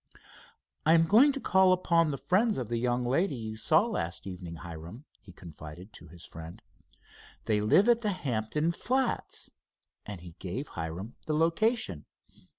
"I am going to call upon the friends of the young lady you saw last evening, Hiram," he confided to his friend. "They live at the Hampton Flats," and he gave Hiram the location.